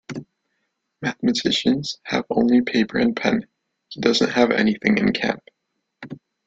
Mathematicians have only paper and pen, he doesn't have anything in camp.